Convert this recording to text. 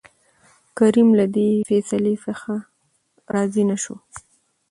کريم له دې فيصلې څخه راضي نه شو.